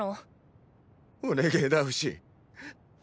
お願ェだフシ！！